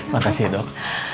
makasih ya dok